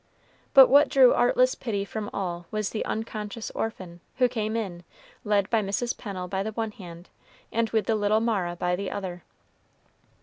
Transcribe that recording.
But what drew artless pity from all was the unconscious orphan, who came in, led by Mrs. Pennel by the one hand, and with the little Mara by the other.